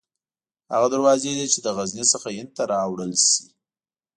هغه دروازې دې له غزني څخه هند ته راوړل شي.